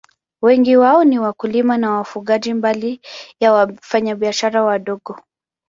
Wengi wao ni wakulima na wafugaji, mbali ya wafanyabiashara wadogo.